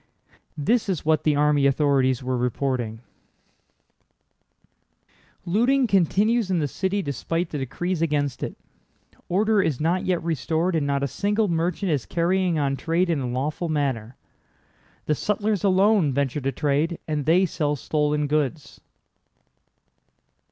This is what the army authorities were reporting: "Looting continues in the city despite the decrees against it. Order is not yet restored and not a single merchant is carrying on trade in a lawful manner. The sutlers alone venture to trade, and they sell stolen goods."